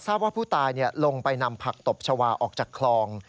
ว่าผู้ตายลงไปนำผักตบชาวาออกจากคลอง